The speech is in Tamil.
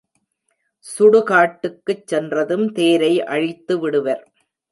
சுடுகாட்டுக்குச் சென்றதும் தேரை அழித்துவிடுவர்.